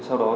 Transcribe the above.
sau đó thì